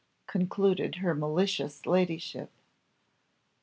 concluded her malicious ladyship.